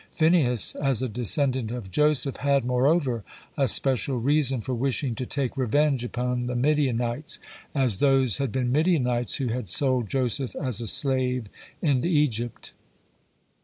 Phinehas, as a descendant of Joseph, had, moreover, a special reason for wishing to take revenge upon the Midianites, as those had been Midianites who had sold Joseph as a slave in Egypt.